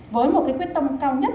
với một cái quyết tâm cao nhất